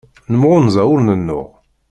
Nemɣunza ur nennuɣ.